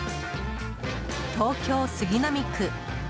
東京・杉並区。